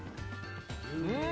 うん！